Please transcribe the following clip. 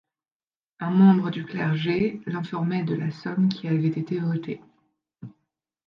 Un membre du clergé l'informait de la somme qui avait été votée.